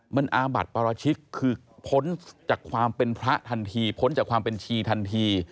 มันอาบัติปราชิกคือพ้นจากความเป็นพระทันทีพ้นจากความเป็นชีทันที